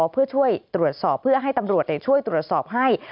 เพื่อช่วยตรวจสอบเพื่อให้ตำรวจช่วยตรวจสอบให้